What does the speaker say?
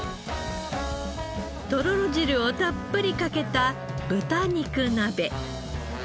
とろろ汁をたっぷりかけた豚肉鍋。